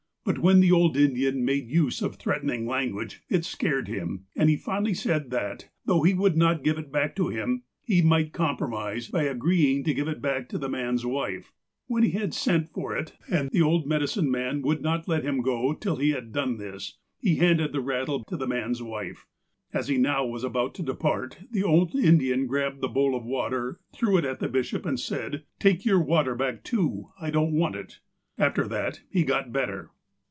But wlien th.e old Indian made use of threatening language, it scared him, and he finally ,said that, though he would not give it uj) to him, he might compromise by agreeing to give it back to the man's wife. When he had sent for it, and the old medi cine man would not let him go till he had done this, he handed the rattle to the man's wife. As he now was about to depart, the old Indian grabbed the bowl of water, threw it at the bishop, and said :'' Take your water back, too. I don't want it." After that he got better.